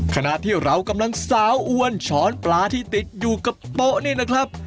ขณะที่เรากำลังสาวอ้วนช้อนปลาที่ติดอยู่กับโต๊ะนี่นะครับ